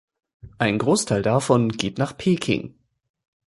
Ein Großteil davon geht nach Peking.